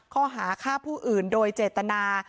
ข้อหาฆ่าผู้อื่นโดยเจตนา